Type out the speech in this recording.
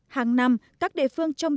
hàng năm các địa phương tìm kiếm hộ nghèo